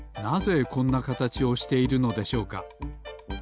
なぜこんなかたちをしているのでしょうか？